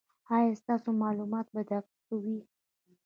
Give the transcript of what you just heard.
ایا ستاسو معلومات به دقیق وي؟